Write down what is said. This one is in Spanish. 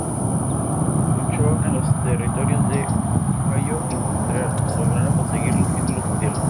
Luchó en los territorios de Ohio y Montreal logrando conseguir los títulos mundiales.